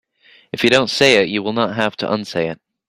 If you don't say it you will not have to unsay it.